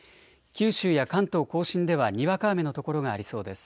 九州や関東甲信ではにわか雨の所がありそうです。